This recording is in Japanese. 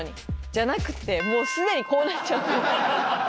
じゃなくて、もうすでにこうなっちゃって。